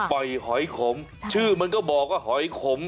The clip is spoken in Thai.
หอยขมชื่อมันก็บอกว่าหอยขม